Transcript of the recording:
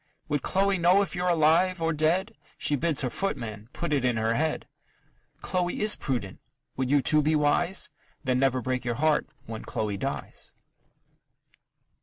Would Chloe know if you're alive or dead? She bids her footman put it in her head. Chloe is prudent would you too be wise? Then never break your heart when Chloe dies.